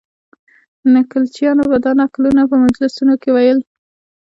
نکلچیانو به دا نکلونه په مجلسونو کې ویل.